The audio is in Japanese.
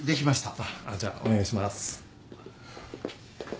あっじゃあお願いします。